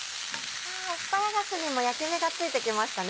アスパラガスにも焼き目がついてきましたね。